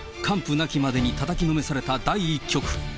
なきまでにたたきのめされた第１局。